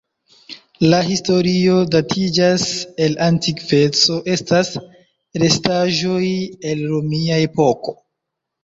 La historio datiĝas el antikveco, estas restaĵoj el romia epoko.